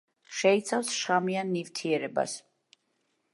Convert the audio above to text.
შეიცავს შხამიან ნივთიერებას.